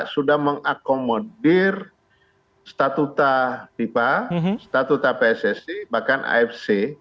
sudah mengakomodir statuta fifa statuta pssi bahkan afc